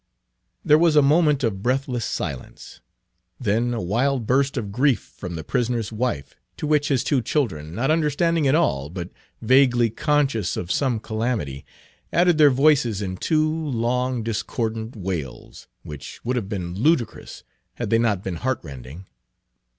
There was a moment of breathless silence. Then a wild burst of grief from the prisoner's wife, to which his two children, not understanding it all, but vaguely conscious of some calamity, added their voices in two long, discordant wails, which would have been ludicrous had they not been heart rending.